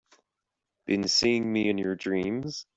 Been seeing me in your dreams?